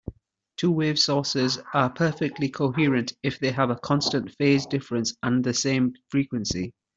Two-wave sources are perfectly coherent if they have a constant phase difference and the same frequency.